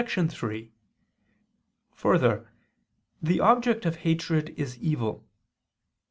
3: Further, the object of hatred is evil.